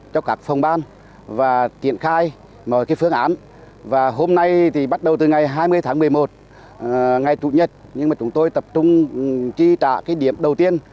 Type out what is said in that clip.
cho các phòng ban và triển khai mọi phương án và hôm nay thì bắt đầu từ ngày hai mươi tháng một mươi một ngày chủ nhật nhưng mà chúng tôi tập trung chi trả cái điểm đầu tiên